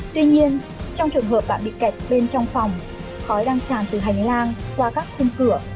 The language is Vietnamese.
tuy nhiên trong trường hợp bạn bị kẹt bên trong phòng khói đang tràn từ hành lang qua các khung cửa